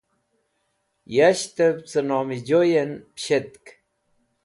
Yashtẽv cẽ nomẽjoyẽn pẽshetk.